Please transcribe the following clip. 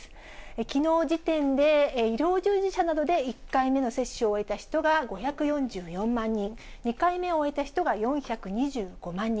きのう時点で、医療従事者などで１回目の接種を終えた人が５４４万人、２回目を終えた人が４２５万人。